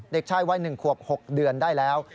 เด็กชายวัย๑ขวบ๖เดือนได้แล้ว